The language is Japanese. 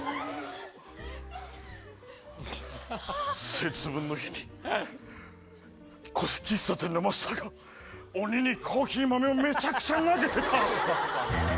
節分の日に喫茶店のマスターが鬼にコーヒー豆をめちゃくちゃ投げてた。